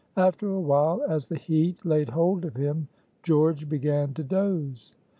After a while, as the heat laid hold of him, George began to dose.